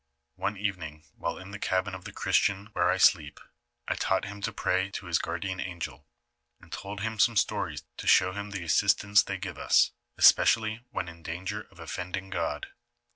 "One evening, while in the cabin of the Christian where I sleep, I taught hira to pray to his guard ian ang'^,1, and told him some stories to show him the assistance they give us, es pecially when in danger of offending God.